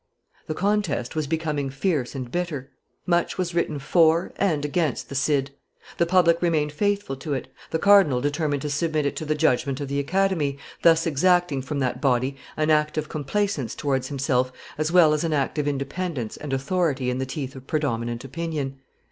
The contest was becoming fierce and bitter; much was written for and against the Cid; the public remained faithful to it; the cardinal determined to submit it to the judgment of the Academy, thus exacting from that body an act of complaisance towards himself as well as an act of independence and authority in the teeth of predominant opinion.